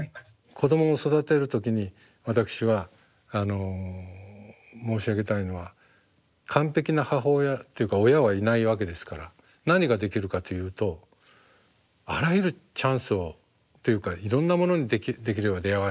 子どもを育てる時に私は申し上げたいのは完璧な母親というか親はいないわけですから何ができるかというとあらゆるチャンスをというかいろんなものにできれば出会わせてほしい。